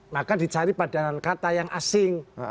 maka dicari padanan kata yang asing